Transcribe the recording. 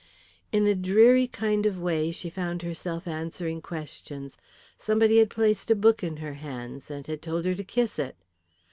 In a dreary kind of way she found herself answering questions. Somebody had placed a book in her hands and had told her to kiss it.